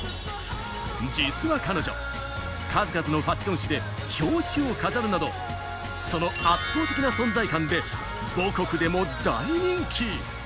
実は彼女、数々のファッション誌で表紙を飾るなど、その圧倒的な存在感で母国でも大人気。